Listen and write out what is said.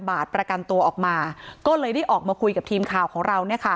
บาทประกันตัวออกมาก็เลยได้ออกมาคุยกับทีมข่าวของเราเนี่ยค่ะ